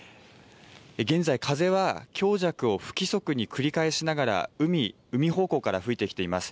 現在、風は強弱を不規則に繰り返しながら、海方向から吹いてきています。